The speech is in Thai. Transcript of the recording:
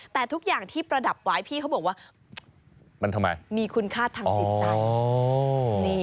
แต่ทุกอย่างที่ประดับไว้พี่เขาบอกว่ามีคุณคาดทั้งสินใจ